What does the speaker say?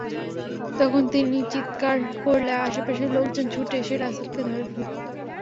তখন তিনি চিৎকার করলে আশপাশের লোকজন ছুটে এসে রাসেলকে ধরে ফেলে।